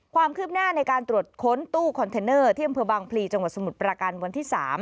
ความคืบหน้าในการตรวจค้นตู้คอนเทนเนอร์ที่บางปีสมุทรปราการวันที่๓